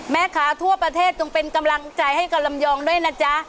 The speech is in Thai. แม่ค้าทั่วประเทศจงเป็นกำลังใจให้กับลำยองด้วยนะจ๊ะ